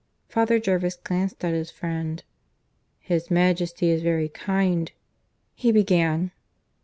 Father Jervis glanced at his friend. "His Majesty is very kind " he began.